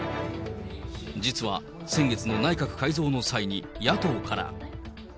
実は先月の内閣改造の際に、野党から。